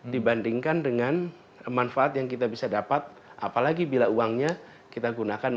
dibandingkan dengan manfaat yang kita bisa dapat apalagi bila uangnya kita gunakan